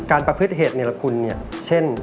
การประพฤติเหตุเนี่ยละคุณเนี่ยเช่น